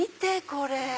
これ。